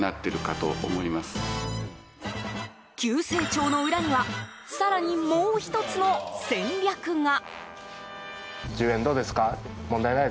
急成長の裏には更に、もう１つの戦略が。